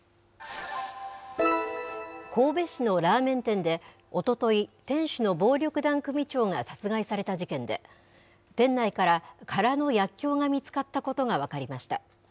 神戸市のラーメン店でおととい、店主の暴力団組長が殺害された事件で、店内から空の薬きょうが見つかったことが分かりました。